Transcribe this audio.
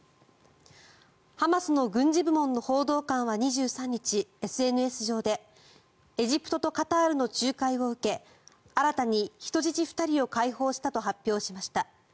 ハマスの軍事部門の報道官は２３日、ＳＮＳ上でエジプトとカタールの仲介を受け新たに人質２人を解放したと発表しました。